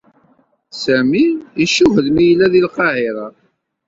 Sami icuhed mi yella deg Lqahira.